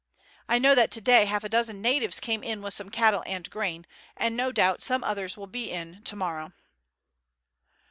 I know that to day half a dozen natives came in with some cattle and grain, and no doubt some others will be in to morrow."